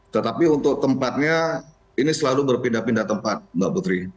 tetapi untuk tempatnya ini selalu berpindah pindah tempat mbak putri